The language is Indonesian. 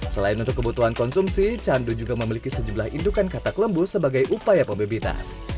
selain untuk kebutuhan konsumsi candu juga memiliki sejumlah indukan katak lembu sebagai upaya pembebitan